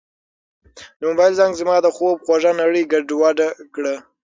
د موبایل زنګ زما د خوب خوږه نړۍ ګډوډه کړه.